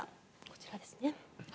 こちらですね。